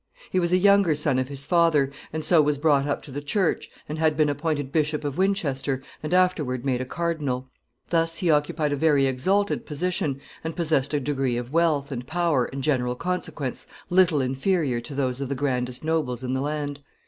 He was a younger son of his father, and so was brought up to the Church, and had been appointed Bishop of Winchester, and afterward made a cardinal. Thus he occupied a very exalted position, and possessed a degree of wealth, and power, and general consequence little inferior to those of the grandest nobles in the land.